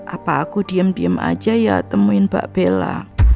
apa aku diem diem aja ya temuin mbak bella